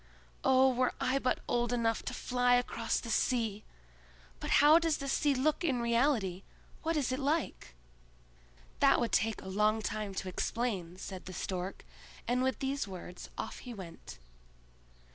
"Oh, were I but old enough to fly across the sea! But how does the sea look in reality? What is it like?" "That would take a long time to explain," said the Stork, and with these words off he went.